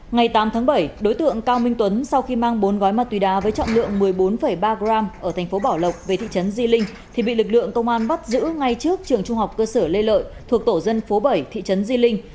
ngày tám tháng bảy đối tượng cao minh tuấn sau khi mang bốn gói ma túy đá với trọng lượng một mươi bốn ba gram ở thành phố bảo lộc về thị trấn di linh thì bị lực lượng công an bắt giữ ngay trước trường trung học cơ sở lê lợi thuộc tổ dân phố bảy thị trấn di linh